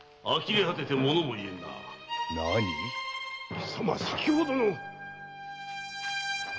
貴様先ほどの！